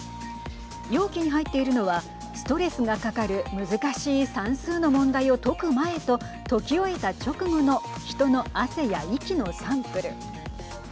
容器に入っているのはストレスがかかる難しい算数の問題を解く前と解き終えた直後の人の汗や息のサンプル。